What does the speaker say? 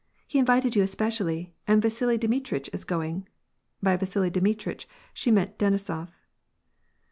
^* He invited you especially, and Vasili Dmitritch is going." (By Vasili Dmitritch, she meant Deni sof.)